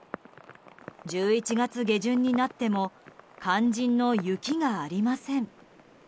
１１月下旬になっても肝心の雪がありません。